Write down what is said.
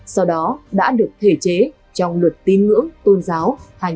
sau đó đã được thể chế trong luật tín ngưỡng tôn giáo hai nghìn một mươi sáu